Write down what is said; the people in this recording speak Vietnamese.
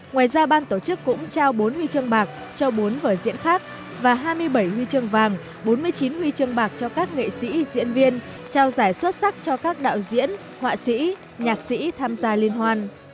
ngoài ra ban tổ chức cũng trao bốn huy chương bạc cho bốn vở diễn khác và hai mươi bảy huy chương vàng bốn mươi chín huy chương bạc cho các nghệ sĩ diễn viên trao giải xuất sắc cho các đạo diễn họa sĩ nhạc sĩ tham gia liên hoan